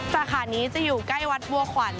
สาขานี้จะอยู่ใกล้วัดบัวขวัญ